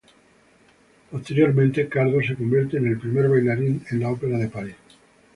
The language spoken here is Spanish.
Posteriormente, Cardo se convierte en el primer bailarín en la Ópera de París.